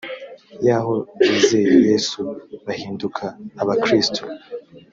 yaho bizeye yesu bahinduka abakristo